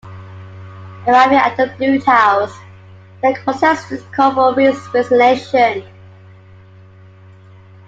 Arriving at the Blue House, the protesters called for Rhee's resignation.